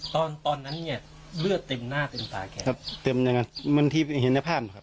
ตอนตอนนั้นเนี่ยเลือดเต็มหน้าเต็มภาคม่ะครับเต็มยังงั้นมันที่เห็นในภาพครับ